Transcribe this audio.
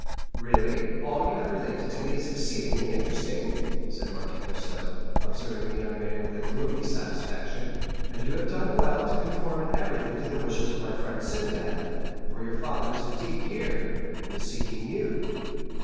"Really, all you have related to me is exceedingly interesting," said Monte Cristo, observing the young man with a gloomy satisfaction; "and you have done well to conform in everything to the wishes of my friend Sinbad; for your father is indeed here, and is seeking you."